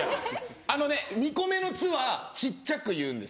あのね２個目の「ツ」は小っちゃく言うんです。